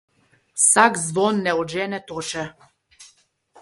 Vsak zvon ne odžene toče.